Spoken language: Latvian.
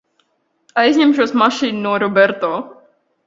Aizņemšos mašīnu no Roberto.